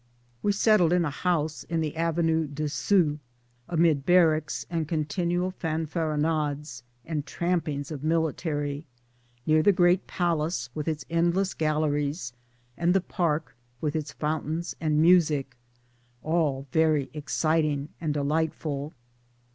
We settled in a house in the Avenue de Sceaux, amid barracks, and continual fanfaronades and trampings of military, near the great Palace with its endless galleries, and the Park with its fountains and music. All very exciting and delightful.